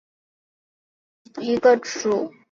斑眼蝶属是蛱蝶科眼蝶亚科帻眼蝶族中的一个属。